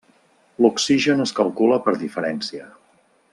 L'oxigen es calcula per diferència.